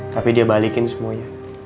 tapi dia balikin semuanya